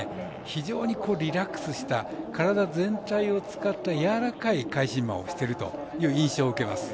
非常にリラックスした体全体を使ったやわらかい返し馬をしている印象を受けます。